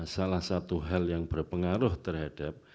salah satu hal yang berpengaruh terhadap